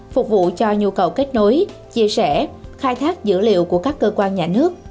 phục vụ cho nhu cầu kết nối chia sẻ khai thác dữ liệu của các cơ quan nhà nước